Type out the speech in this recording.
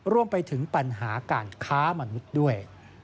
รวมไปถึงปัญหาการค้ามนุษย์ด้วย